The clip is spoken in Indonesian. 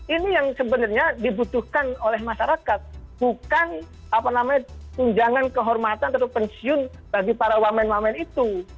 ini yang sebenarnya dibutuhkan oleh masyarakat bukan apa namanya tunjangan kehormatan atau pensiun bagi para wamen wamen itu